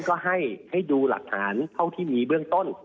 อ้วนก็ให้ให้อยู่หลักฐานเท่าที่มีเบื้องต้น